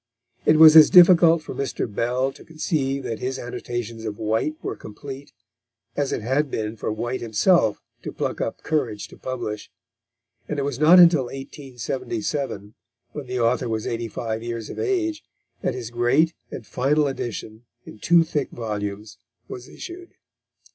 It was as difficult for Mr. Bell to conceive that his annotations of White were complete, as it had been for White himself to pluck up courage to publish; and it was not until 1877, when the author was eighty five years of age, that his great and final edition in two thick volumes was issued.